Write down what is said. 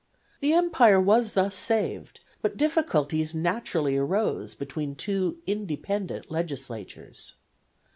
The Empire was thus saved, but difficulties naturally arose between two independent legislatures.